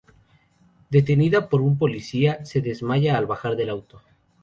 Detenida por un policía, se desmaya al bajar del auto.